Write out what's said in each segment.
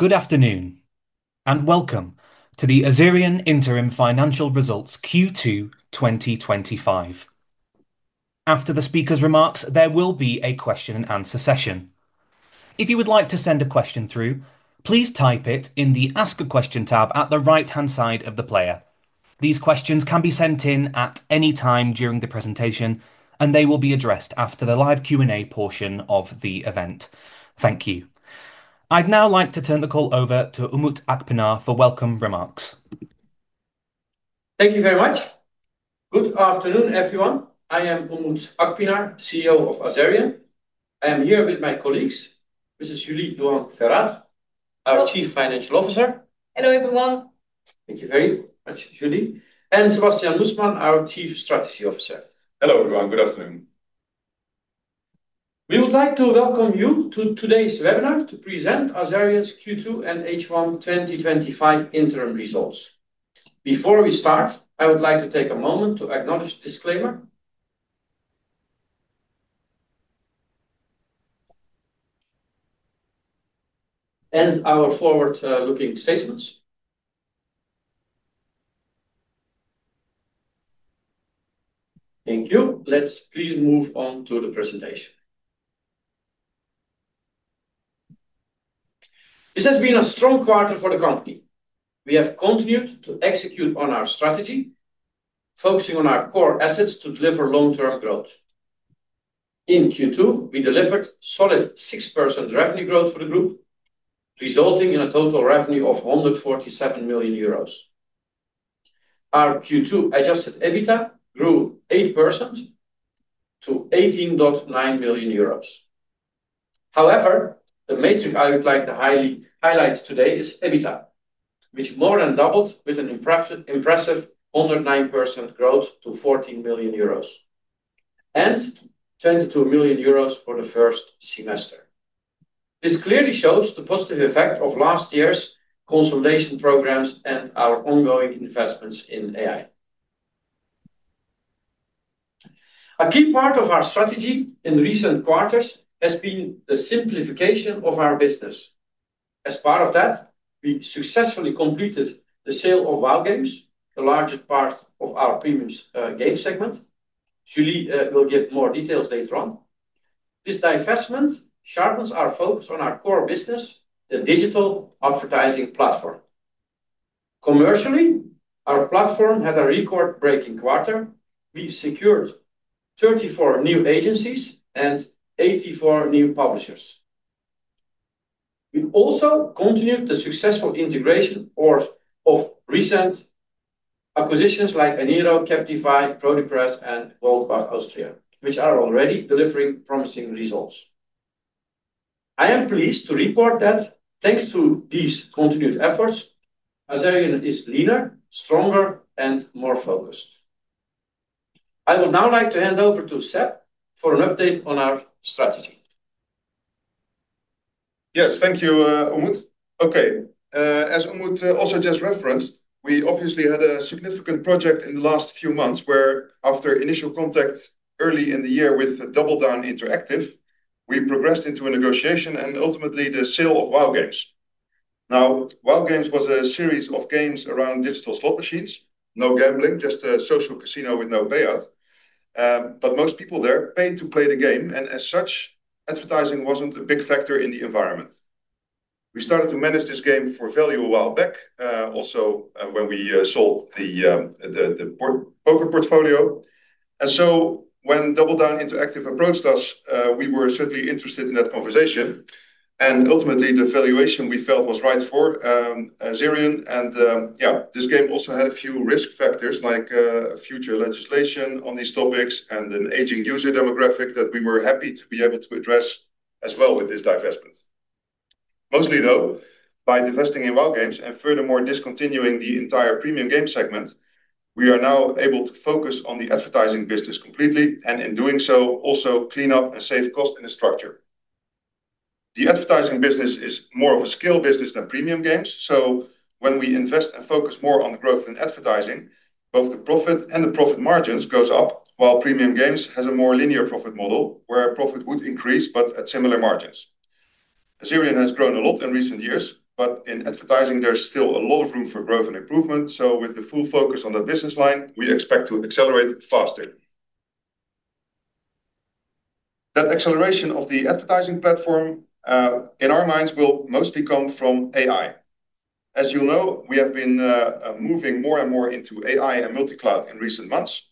Good afternoon and welcome to the Azerion Interim Financial Results Q2 2025. After the speaker's remarks, there will be a question and answer session. If you would like to send a question through, please type it in the "Ask a Question" tab at the right-hand side of the player. These questions can be sent in at any time during the presentation, and they will be addressed after the live Q&A portion of the event. Thank you. I'd now like to turn the call over to Umut Akpinar for welcome remarks. Thank you very much. Good afternoon, everyone. I am Umut Akpinar, CEO of Azerion. I am here with my colleagues. This is Julie Duong Ferat, our Chief Financial Officer. Hello, everyone. Thank you very much, that's Julie. Sebastiaan Moesman, our Chief Strategy Officer. Hello, everyone. Good afternoon. We would like to welcome you to today's webinar to present Azerion's Q2 and H1 2025 interim results. Before we start, I would like to take a moment to acknowledge the disclaimer and our forward-looking statements. Thank you. Let's please move on to the presentation. This has been a strong quarter for the company. We have continued to execute on our strategy, focusing on our core assets to deliver long-term growth. In Q2, we delivered solid 6% revenue growth for the group, resulting in a total revenue of €147 million. Our Q2 adjusted EBITDA grew 8% to €18.9 million. However, the metric I would like to highlight today is EBITDA, which more than doubled with an impressive 109% growth to €14 million and €22 million for the first semester. This clearly shows the positive effect of last year's consolidation programs and our ongoing investments in AI-driven automation. A key part of our strategy in the recent quarters has been the simplification of our business. As part of that, we successfully completed the sale of Wild Games, the largest part of our premium games segment. Julie will give more details later on. This divestment sharpens our focus on our core business, the digital advertising platform. Commercially, our platform had a record-breaking quarter. We secured 34 new agencies and 84 new publishers. We also continued the successful integration of recent acquisitions like Eniro Group, Captify, Chronicress, and Goldbach Austria GmbH, which are already delivering promising results. I am pleased to report that thanks to these continued efforts, Azerion is leaner, stronger, and more focused. I would now like to hand over to Sebastiaan Moesman for an update on our strategy. Yes, thank you, Umut. Okay. As Umut also just referenced, we obviously had a significant project in the last few months where, after initial contact early in the year with DoubleDown Interactive, we progressed into a negotiation and ultimately the sale of Wild Games. Now, Wild Games was a series of games around digital slot machines. No gambling, just a social casino with no payout. Most people there paid to play the game, and as such, advertising wasn't a big factor in the environment. We started to manage this game for value a while back, also when we sold the poker portfolio. When DoubleDown Interactive approached us, we were certainly interested in that conversation. Ultimately, the valuation we felt was right for Azerion. This game also had a few risk factors like future legislation on these topics and an aging user demographic that we were happy to be able to address as well with this divestment. Mostly, by divesting in Wild Games and furthermore discontinuing the entire premium games segment, we are now able to focus on the advertising business completely, and in doing so, also clean up and save costs in the structure. The advertising business is more of a skill business than premium games. When we invest and focus more on growth and advertising, both the profit and the profit margins go up, while premium games have a more linear profit model where profit would increase but at similar margins. Azerion has grown a lot in recent years, but in advertising, there's still a lot of room for growth and improvement. With the full focus on that business line, we expect to accelerate faster. That acceleration of the advertising platform, in our minds, will mostly come from AI. As you know, we have been moving more and more into AI and multi-cloud in recent months,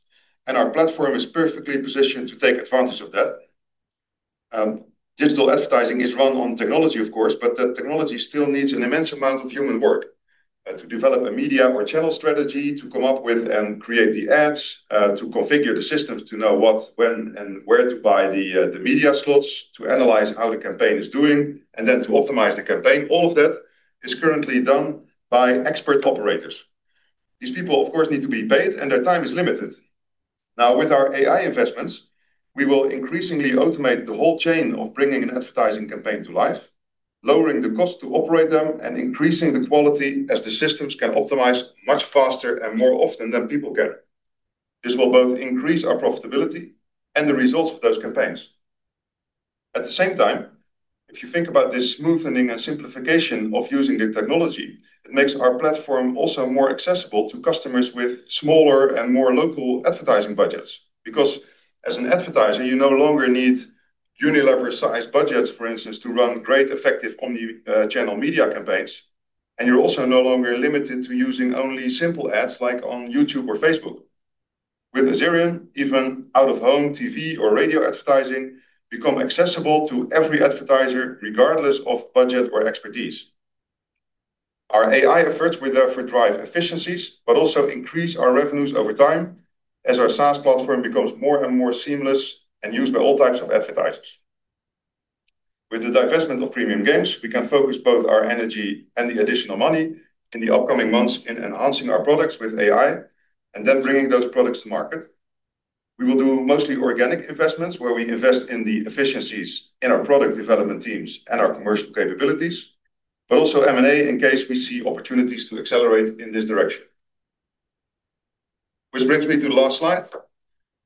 and our platform is perfectly positioned to take advantage of that. Digital advertising is run on technology, of course, but that technology still needs an immense amount of human work to develop a media or channel strategy, to come up with and create the ads, to configure the systems to know what, when, and where to buy the media slots, to analyze how the campaign is doing, and then to optimize the campaign. All of that is currently done by expert operators. These people, of course, need to be paid, and their time is limited. Now, with our AI investments, we will increasingly automate the whole chain of bringing an advertising campaign to life, lowering the cost to operate them, and increasing the quality as the systems can optimize much faster and more often than people can. This will both increase our profitability and the results of those campaigns. At the same time, if you think about this smoothening and simplification of using the technology, it makes our platform also more accessible to customers with smaller and more local advertising budgets. Because as an advertiser, you no longer need Unilever-sized budgets, for instance, to run great effective omnichannel media campaigns, and you're also no longer limited to using only simple ads like on YouTube or Facebook. With Azerion, even out-of-home TV or radio advertising becomes accessible to every advertiser, regardless of budget or expertise. Our AI efforts will therefore drive efficiencies, but also increase our revenues over time as our SaaS platform becomes more and more seamless and used by all types of advertisers. With the divestment of the premium games segment, we can focus both our energy and the additional money in the upcoming months in enhancing our products with AI and then bringing those products to market. We will do mostly organic investments where we invest in the efficiencies in our product development teams and our commercial capabilities, but also M&A in case we see opportunities to accelerate in this direction. With a brief lead to the last slide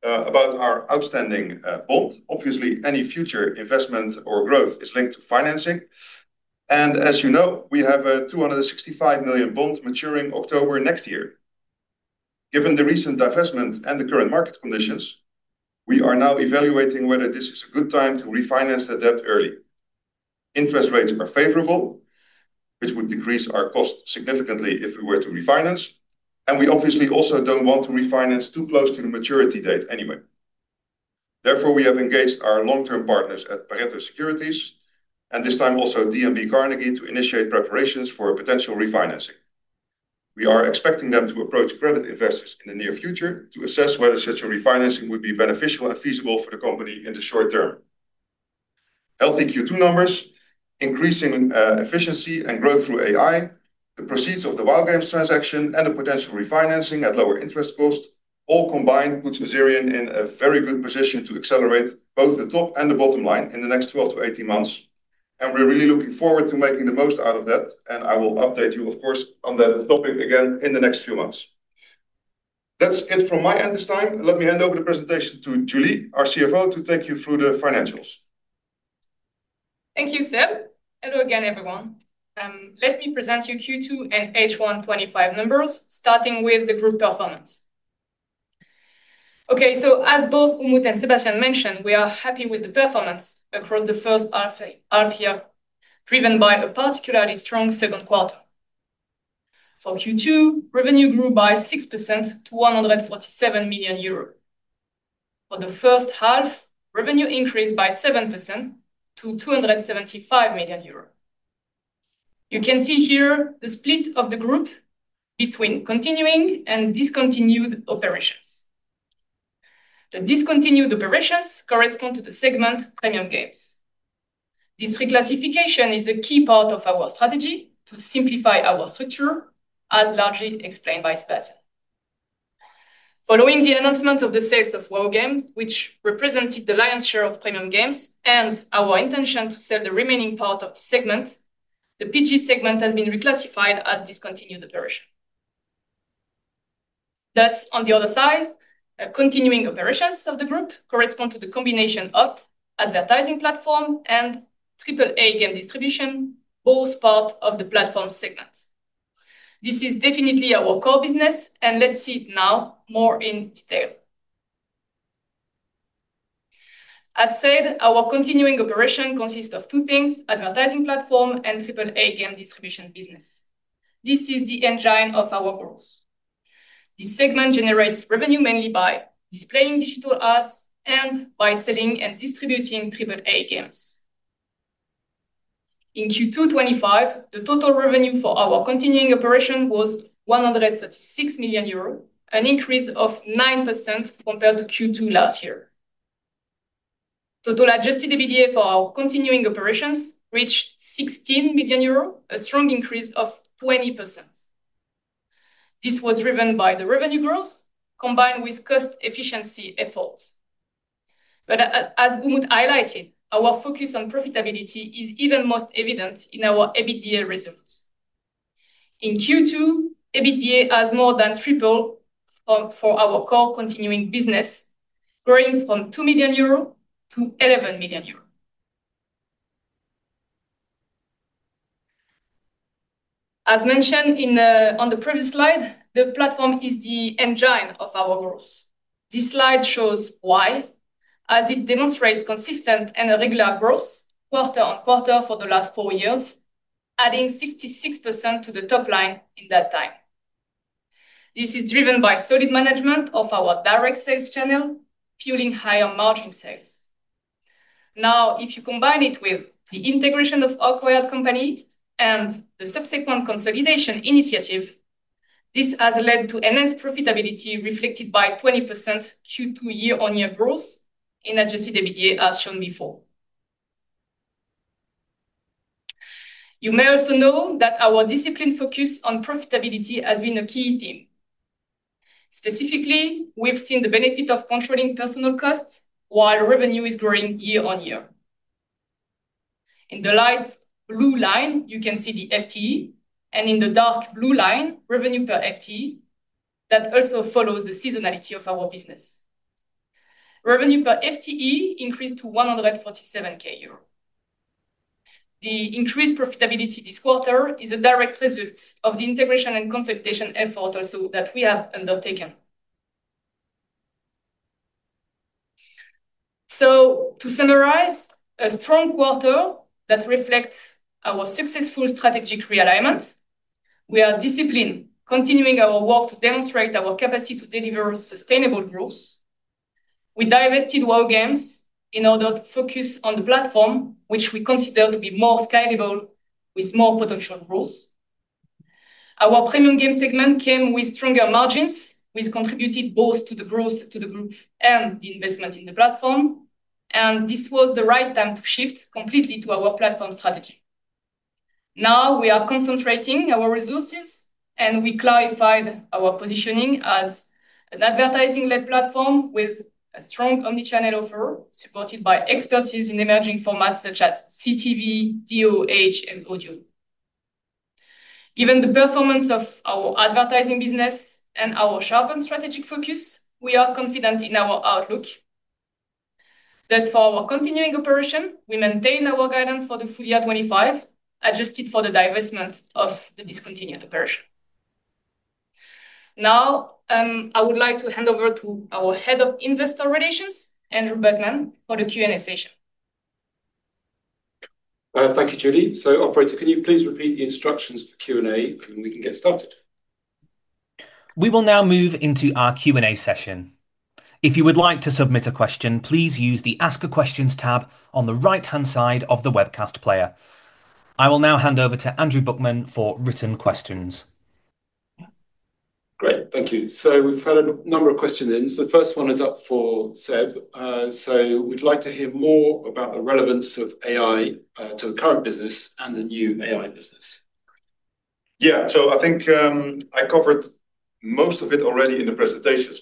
about our outstanding bond, obviously, any future investment or growth is linked to financing. As you know, we have a €265 million bond maturing in October 2025. Given the recent divestment and the current market conditions, we are now evaluating whether this is a good time to refinance that debt early. Interest rates are favorable, which would decrease our costs significantly if we were to refinance. We obviously also don't want to refinance too close to the maturity date anyway. Therefore, we have engaged our long-term partners at Pareto Securities, and this time also DNB Carnegie, to initiate preparations for a potential refinancing. We are expecting them to approach credit investors in the near future to assess whether such a refinancing would be beneficial and feasible for the company in the short term. Healthy Q2 numbers, increasing efficiency and growth through AI, the proceeds of the Wild Games transaction, and the potential refinancing at lower interest costs all combine to put Azerion in a very good position to accelerate both the top and the bottom line in the next 12-18 months. We're really looking forward to making the most out of that. I will update you, of course, on that topic again in the next few months. That's it from my end this time. Let me hand over the presentation to Julie, our CFO, to take you through the financials. Thank you, Seb. Hello again, everyone. Let me present you Q2 and H1 2025 numbers, starting with the group performance. As both Umut and Sebastiaan mentioned, we are happy with the performance across the first half here, driven by a particularly strong second quarter. For Q2, revenue grew by 6% to €147 million. For the first half, revenue increased by 7% to €275 million. You can see here the split of the group between continuing and discontinued operations. The discontinued operations correspond to the segment premium games. This reclassification is a key part of our strategy to simplify our structure, as largely explained by Sebastiaan. Following the announcement of the sale of Wild Games, which represented the lion's share of premium games, and our intention to sell the remaining part of the segment, the premium games segment has been reclassified as discontinued operations. On the other side, continuing operations of the group correspond to the combination of advertising platform and AAA game distribution, both parts of the platform segment. This is definitely our core business, and let's see it now more in detail. As said, our continuing operation consists of two things: advertising platform and AAA game distribution business. This is the engine of our growth. This segment generates revenue mainly by displaying digital ads and by selling and distributing AAA games. In Q2 2025, the total revenue for our continuing operation was €136 million, an increase of 9% compared to Q2 last year. Total adjusted EBITDA for our continuing operations reached €16 million, a strong increase of 20%. This was driven by the revenue growth combined with cost efficiency efforts. As Umut highlighted, our focus on profitability is even most evident in our EBITDA results. In Q2, EBITDA has more than tripled for our core continuing business, growing from €2 million-€11 million. As mentioned on the previous slide, the platform is the engine of our growth. This slide shows why, as it demonstrates consistent and regular growth quarter on quarter for the last four years, adding 66% to the top line in that time. This is driven by solid management of our direct sales channel, fueling higher margin sales. If you combine it with the integration of our core ad company and the subsequent consolidation initiative, this has led to enhanced profitability reflected by 20% Q2 year-on-year growth in adjusted EBITDA, as shown before. You may also know that our disciplined focus on profitability has been a key theme. Specifically, we've seen the benefit of controlling personnel costs while revenue is growing year on year. In the light blue line, you can see the FTE, and in the dark blue line, revenue per FTE that also follows the seasonality of our business. Revenue per FTE increased to €147,000. The increased profitability this quarter is a direct result of the integration and consolidation effort that we have undertaken. To summarize, a strong quarter that reflects our successful strategic realignment. We are disciplined, continuing our work to demonstrate our capacity to deliver sustainable growth. We divested Wild Games in order to focus on the platform, which we consider to be more scalable with more potential growth. Our premium games segment came with stronger margins, which contributed both to the growth of the group and the investment in the platform. This was the right time to shift completely to our platform strategy. Now we are concentrating our resources, and we clarified our positioning as an advertising-led platform with a strong omnichannel offer supported by expertise in emerging formats such as CTV, DOOH, and audio. Given the performance of our advertising business and our sharpened strategic focus, we are confident in our outlook. Thus, for our continuing operation, we maintain our guidance for the full year 2025, adjusted for the divestment of the discontinued operation. Now, I would like to hand over to our Head of Investor Relations, Andrew Buckman, for the Q&A session. Thank you, Julie. Operator, can you please repeat the instructions for Q&A, and we can get started? We will now move into our Q&A session. If you would like to submit a question, please use the "Ask a Questions" tab on the right-hand side of the webcast player. I will now hand over to Andrew Buckman for written questions. Great, thank you. We've had a number of questions in. The first one is up for Seb. We'd like to hear more about the relevance of AI to the current business and the new AI business. Yeah, I think I covered most of it already in the presentations.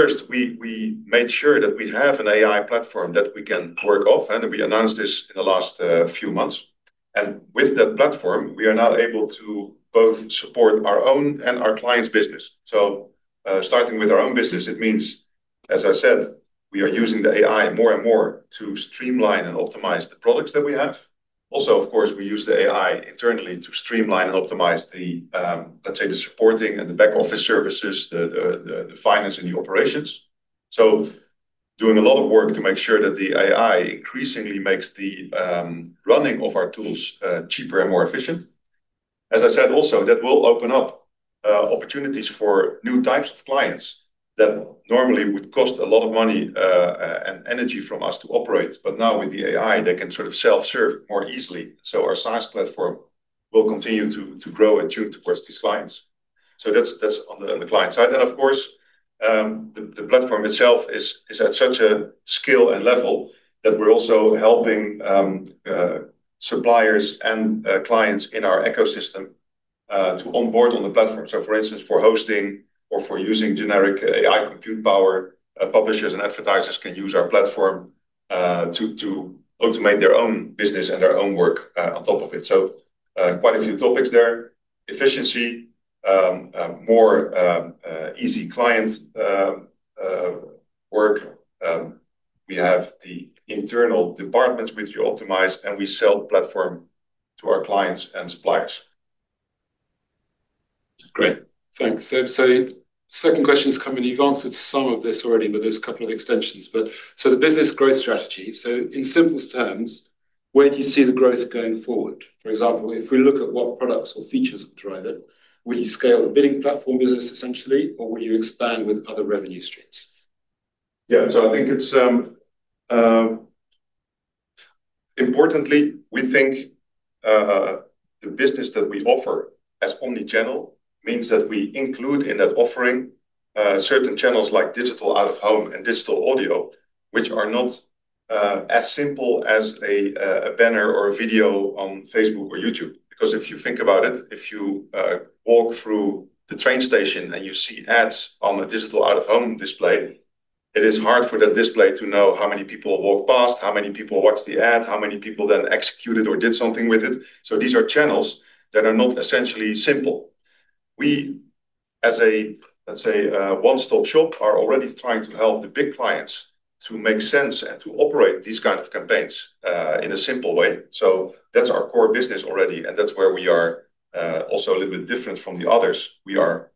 First, we made sure that we have an AI platform that we can work off, and we announced this in the last few months. With that platform, we are now able to both support our own and our clients' business. Starting with our own business, it means, as I said, we are using the AI more and more to streamline and optimize the products that we have. Also, of course, we use the AI internally to streamline and optimize the, let's say, the supporting and the back office services, the finance, and the operations. We are doing a lot of work to make sure that the AI increasingly makes the running of our tools cheaper and more efficient. As I said, that will open up opportunities for new types of clients that normally would cost a lot of money and energy from us to operate. Now, with the AI, they can sort of self-serve more easily. Our SaaS platform will continue to grow and tune towards these clients. That's on the client side. The platform itself is at such a scale and level that we're also helping suppliers and clients in our ecosystem to onboard on the platform. For instance, for hosting or for using generic AI compute power, publishers and advertisers can use our platform to automate their own business and their own work on top of it. Quite a few topics there: efficiency, more easy client work. We have the internal department, which we optimize, and we sell the platform to our clients and suppliers. Great, thanks, Seb. Second question's coming. You've answered some of this already, but there's a couple of extensions. The business growth strategy, in simplest terms, where do you see the growth going forward? For example, if we look at what products or features are driving, will you scale the bidding platform business essentially, or will you expand with other revenue streams? I think it's important, we think the business that we offer as omnichannel means that we include in that offering certain channels like digital out-of-home and digital audio, which are not as simple as a banner or a video on Facebook or YouTube. If you think about it, if you walk through the train station and you see ads on a digital out-of-home display, it is hard for that display to know how many people walked past, how many people watched the ad, how many people then executed or did something with it. These are channels that are not essentially simple. We, as a one-stop shop, are already trying to help the big clients to make sense and to operate these kinds of campaigns in a simple way. That's our core business already, and that's where we are also a little bit different from the others. We are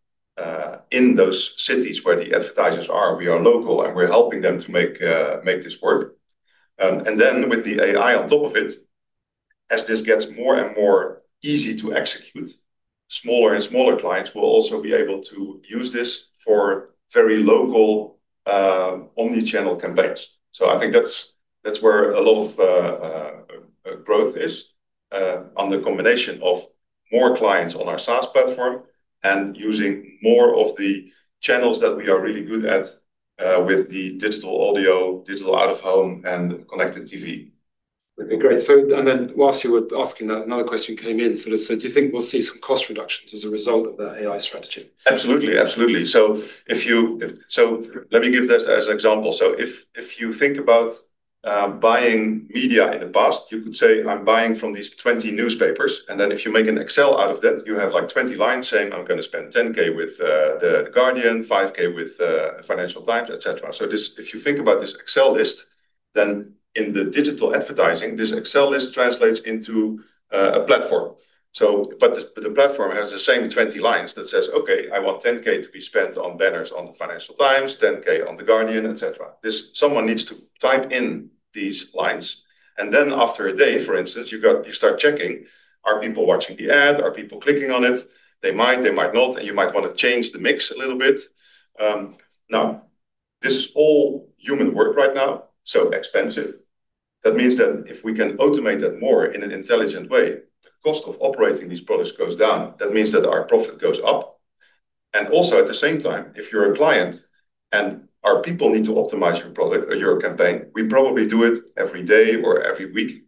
in those cities where the advertisers are. We are local, and we're helping them to make this work. With the AI on top of it, as this gets more and more easy to execute, smaller and smaller clients will also be able to use this for very local omnichannel competitors. I think that's where a lot of growth is, on the combination of more clients on our SaaS platform and using more of the channels that we are really good at with the digital audio, digital out-of-home, and connected TV. Okay, great. Whilst you were asking, another question came in. Do you think we'll see some cost reductions as a result of the AI strategy? Absolutely, absolutely. Let me give that as an example. If you think about buying media in the past, you could say, "I'm buying from these 20 newspapers." If you make an Excel out of that, you have 20 lines saying, "I'm going to spend $10,000 with The Guardian, $5,000 with Financial Times," et cetera. If you think about this Excel list, then in digital advertising, this Excel list translates into a platform. The platform has the same 20 lines that say, "Okay, I want $10,000 to be spent on banners on Financial Times, $10,000 on The Guardian," et cetera. Someone needs to type in these lines. After a day, for instance, you start checking, are people watching the ad? Are people clicking on it? They might, they might not, and you might want to change the mix a little bit. This is all human work right now, so expensive. That means that if we can automate that more in an intelligent way, the cost of operating these products goes down. That means that our profit goes up. Also, at the same time, if you're a client and our people need to optimize your product or your campaign, we probably do it every day or every week.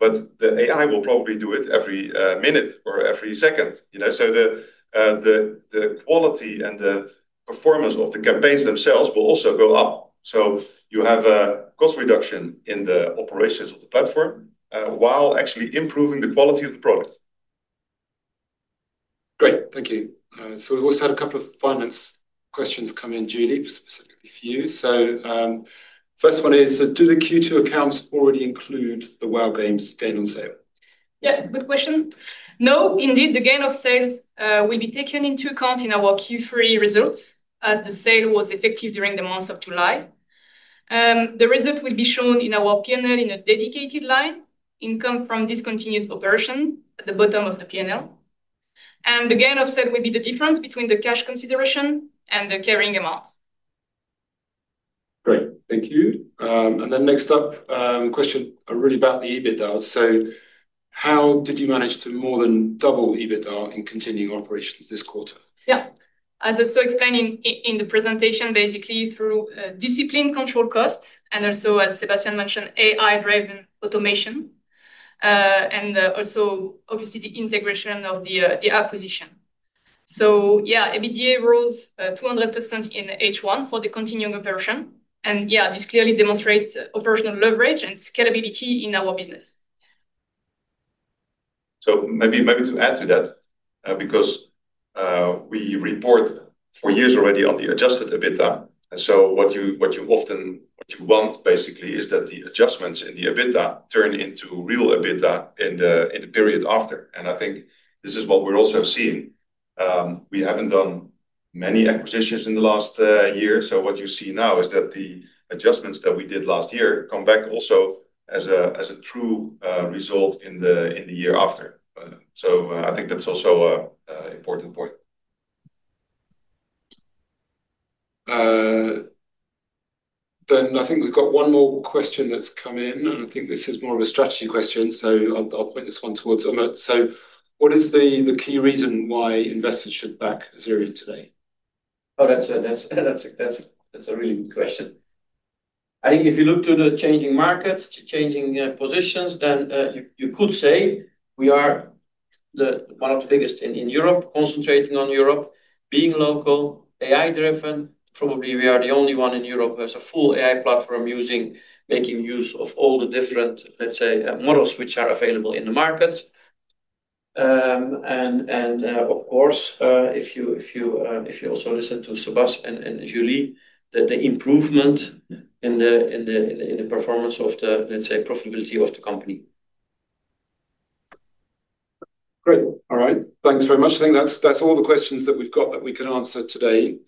The AI will probably do it every minute or every second. The quality and the performance of the campaigns themselves will also go up. You have a cost reduction in the operations of the platform while actually improving the quality of the product. Great, thank you. We've also had a couple of finance questions come in, Julie, specifically for you. The first one is, do the Q2 accounts already include the Wild Games data sale? Yeah, good question. No, indeed, the gain of sales will be taken into account in our Q3 results as the sale was effective during the month of July. The result will be shown in our P&L in a dedicated line, income from discontinued operations, at the bottom of the P&L. The gain of sale will be the difference between the cash consideration and the carrying amount. Great, thank you. The next question is really about the EBITDA. How did you manage to more than double EBITDA in continuing operations this quarter? As I've explained in the presentation, basically through disciplined control of costs and also, as Sebastiaan mentioned, AI-driven automation and obviously the integration of the acquisition, EBITDA rose 200% in H1 for the continuing operation. This clearly demonstrates operational leverage and scalability in our business. To add to that, because we report for years already on the adjusted EBITDA, what you often want, basically, is that the adjustments in the EBITDA turn into real EBITDA in the period after. I think this is what we're also seeing. We haven't done many acquisitions in the last year. What you see now is that the adjustments that we did last year come back also as a true result in the year after. I think that's also an important point. I think we've got one more question that's come in. I think this is more of a strategy question. I'll point this one towards Umut. What is the key reason why investors should back Azerion today? Oh, that's it. That's a really good question. I think if you look to the changing market, to changing positions, then you could say we are one of the biggest in Europe, concentrating on Europe, being local, AI-driven. Probably we are the only one in Europe who has a full AI platform using, making use of all the different, let's say, models which are available in the markets. If you also listen to Sebastiaan and Julie, the improvement in the performance of the, let's say, profitability of the company. All right, thanks very much. I think that's all the questions that we've got that we can answer today.